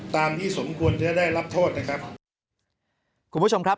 ตามที่สมควรจะได้รับโทษนะครับ